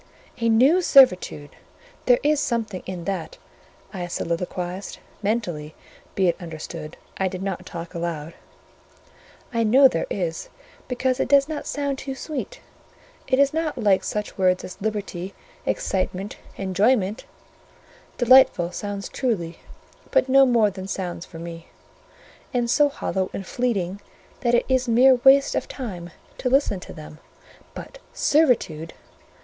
"A new servitude! There is something in that," I soliloquised (mentally, be it understood; I did not talk aloud), "I know there is, because it does not sound too sweet; it is not like such words as Liberty, Excitement, Enjoyment: delightful sounds truly; but no more than sounds for me; and so hollow and fleeting that it is mere waste of time to listen to them. But Servitude!